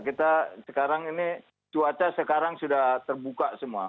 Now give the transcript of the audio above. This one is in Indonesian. kita sekarang ini cuaca sekarang sudah terbuka semua